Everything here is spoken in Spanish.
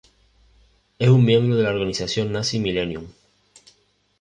Es un miembro de la Organización nazi Millennium.